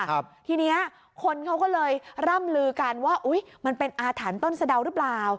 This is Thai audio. ครับทีเนี้ยคนเขาก็เลยร่ำลือการว่าอุ๊ยมันเป็นอาฐานต้นสะเดาหรือเปล่า